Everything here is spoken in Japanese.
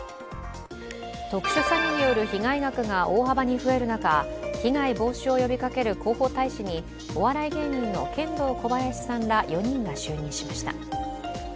特殊詐欺による被害額が大幅に増える中被害防止を呼びかける広告大使にお笑い芸人のケンドーコバヤシさんら４人が就任しました。